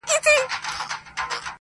خپل کمال به د څښتن په مخ کي ږدمه؛